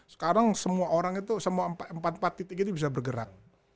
sekarang semua orang itu semua empat empat titik itu bisa bergerak